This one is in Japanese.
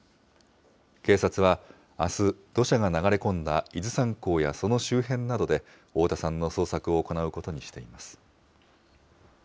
警察はあす、土砂が流れ込んだ伊豆山港やその周辺などで、太田さんの捜索を行うことにしています。